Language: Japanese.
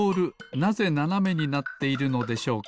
なぜななめになっているのでしょうか？